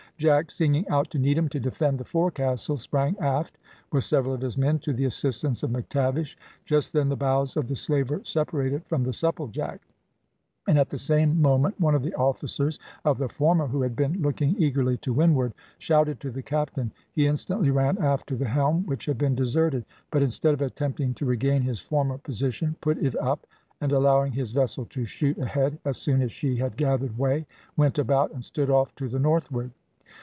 Jack singing out to Needham to defend the forecastle, sprang aft with several of his men to the assistance of McTavish. Just then the bows of the slaver separated from the Supplejack, and at the same moment one of the officers of the former, who had been looking eagerly to windward, shouted to the captain. He instantly ran aft to the helm, which had been deserted; but instead of attempting to regain his former position, put it up, and allowing his vessel to shoot ahead as soon as she had gathered way, went about and stood off to the northward.